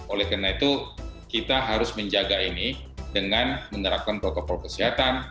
oleh karena itu kita harus menjaga ini dengan menerapkan protokol kesehatan